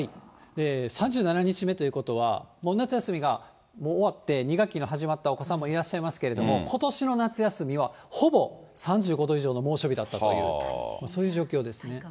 ３７日目ということは、もう夏休みが終わって、２学期が始まったお子さんもいらっしゃいますけれども、ことしの夏休みは、ほぼ３５度以上の猛暑日だったという、そういう状況ですね。